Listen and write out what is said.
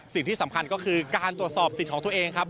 สิ่งที่สำคัญก็คือการตรวจสอบสิทธิ์ของตัวเองครับ